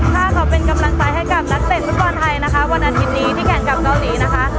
ถ้าเราเป็นกำลังใจให้กับนักเตะฟุตบอลไทยนะคะวันอาทิตย์นี้ที่แข่งกับเกาหลีนะคะ